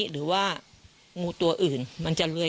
หรือว่างูตัวอื่นมันจะเลื่อย